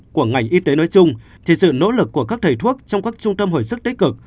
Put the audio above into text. của ngành y tế nói chung thì sự nỗ lực của các thầy thuốc trong các trung tâm hồi sức tích cực